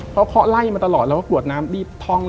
เพราะเหล่าค้อไร้มาตลอดและกรวดน้ำรีบท่อง